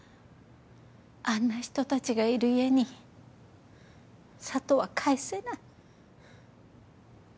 あんな人たちがいる家に佐都は帰せない。